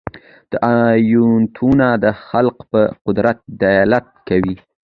دا آیتونه د خالق په قدرت دلالت کوي.